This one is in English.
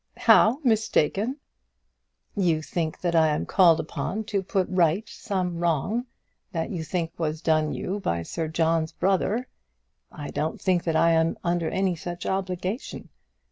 "How mistaken?" "You think that I am called upon to put right some wrong that you think was done you by Sir John's brother. I don't think that I am under any such obligation.